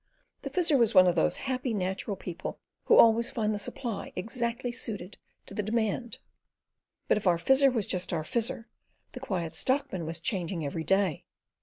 The Fizzer was one of those happy, natural people who always find the supply exactly suited to the demand. But if our Fizzer was just our Fizzer, the Quiet Stockman was changing every day.